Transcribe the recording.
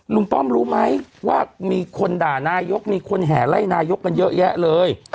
ป้อมรู้ไหมว่ามีคนด่านายกมีคนแห่ไล่นายกกันเยอะแยะเลย